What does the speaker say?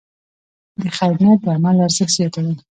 د خیر نیت د عمل ارزښت زیاتوي.